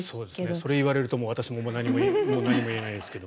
それ言われると私も何も言えないですけど。